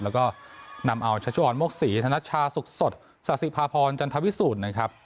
แล้วก็นำเอาชัชวอนโมกศรีธนชาสุขสดสาธิภาพรจันทวิสูจน์นะครับ